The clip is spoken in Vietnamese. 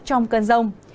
trong cơn rông